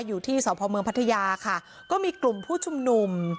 อยู่ที่สพเมืองพัทยาค่ะก็มีกลุ่มผู้ชุมนุม